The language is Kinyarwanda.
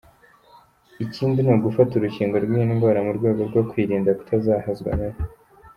Ikindi ni ugufata urukingo rw’iyi ndwara mu rwego rwo kwirinda kutazahazwa nayo.